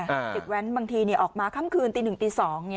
กลุ่มเด็กแว้นบางทีเนี่ยออกมาคำคืนตีหนึ่งตีสองเนี่ย